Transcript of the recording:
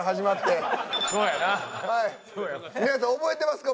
皆さん覚えてますか？